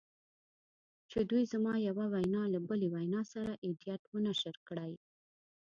چې دوی زما یوه وینا له بلې وینا سره ایډیټ و نشر کړې